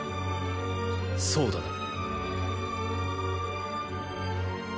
そうだな。